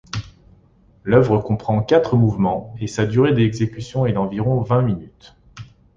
L'œuvre comprend quatre mouvements et sa durée d'exécution est d'environ vingt minutes.